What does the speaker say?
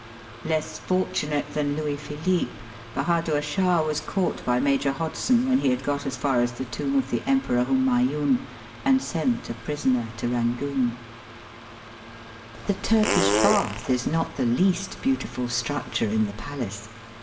Less fortunate than Louis Philippe^ Bahadur Shah was caught by Major Hodson when he had got as far as the tomb of the Emperor Humayoon^ and sent a prisoner to^ Eangoon* The Turkish bath is not the least beautiful Digitized by VjOOQIC DELHI. 299 structure in the palace.